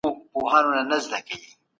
اقتصادي ترقي تر پرمختګ بېله اصطلاح ده.